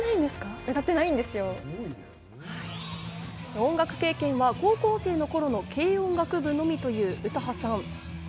音楽経験は高校生の頃の軽音楽部のみという詩羽さん。